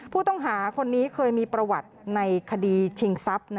ผู้ต้องหาคนนี้เคยมีประวัติในคดีชิงทรัพย์